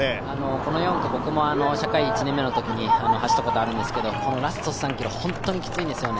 この４区、僕も社会１年目のときに走ったことがあるんですけれども、ラスト３ｋｍ、本当にきついんですよね。